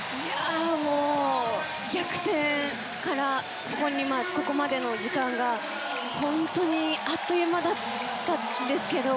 もう逆転からここまでの時間が本当にあっという間だったんですけど。